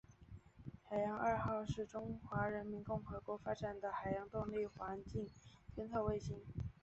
海洋二号是中华人民共和国发展的海洋动力环境监测卫星。